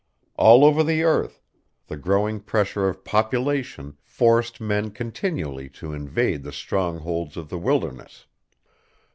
All over the earth the growing pressure of population forced men continually to invade the strongholds of the wilderness.